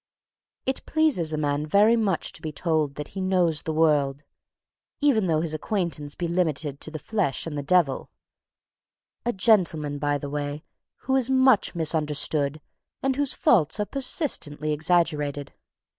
[Sidenote: The "Supreme Conceit"] It pleases a man very much to be told that he "knows the world," even though his acquaintance be limited to the flesh and the devil a gentleman, by the way, who is much misunderstood and whose faults are persistently exaggerated.